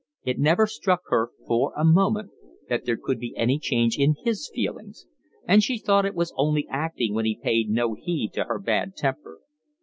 It never struck her for a moment that there could be any change in his feelings, and she thought it was only acting when he paid no heed to her bad temper.